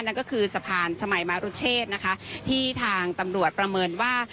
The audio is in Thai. นั่นก็คือสะพานชมัยมรุเชษนะคะที่ทางตำรวจประเมินว่า